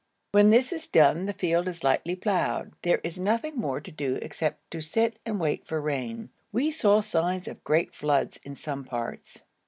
When this is done the field is lightly ploughed; there is nothing more to do except to sit and wait for rain. We saw signs of great floods in some parts.